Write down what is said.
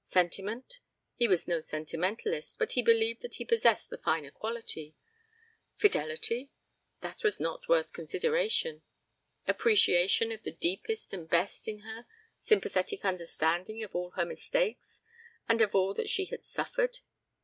Sentiment? He was no sentimentalist, but he believed that he possessed the finer quality. Fidelity? That was not worth consideration. Appreciation of the deepest and best in her, sympathetic understanding of all her mistakes and of all that she had suffered?